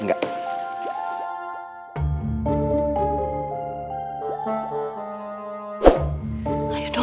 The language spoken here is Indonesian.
nah gue mau ceritain